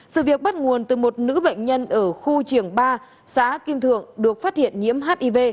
sự việc bắt nguồn từ một nữ bệnh nhân ở khu trường ba xã kim thượng được phát hiện nhiễm hiv